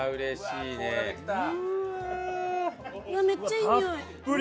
めっちゃいいにおい！